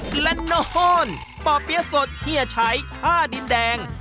กละโน่นปอเปี๊ยะสดเหี้ยไชท่าดินแดง